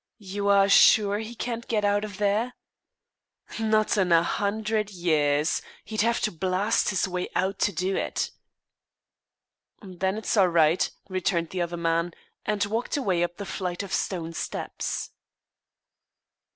"You are sure he can't get out of there?" "Not in a hundred years! He'd have to blast his way out to do it." "Then it's all right," returned the other man, and walked away up the flight of stone steps.